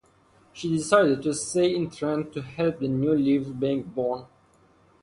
She decided to stay in Trent to help the new lives being born.